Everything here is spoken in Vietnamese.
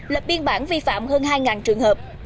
lập biên bản vi phạm hơn hai trường hợp